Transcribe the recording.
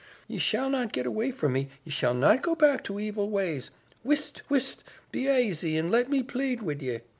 "Ye shall not get away from me, ye shall not go back to evil ways. Whist, whist! Be aisy and let me plead wid ye.